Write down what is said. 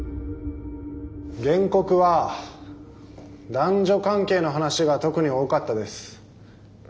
原告は男女関係の話が特に多かったです。